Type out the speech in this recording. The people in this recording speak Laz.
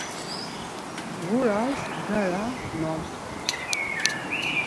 Ğuras bgara nomskums!